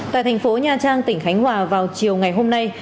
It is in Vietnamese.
tại thành phố nha trang tỉnh khánh hòa vào chiều ngày hôm nay